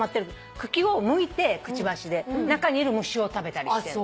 茎をむいてクチバシで中にいる虫を食べたりしてるの。